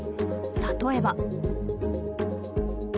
例えば。